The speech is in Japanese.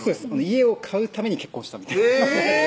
家を買うために結婚したみたいなえぇ！